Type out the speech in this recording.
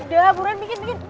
gak buruan bikin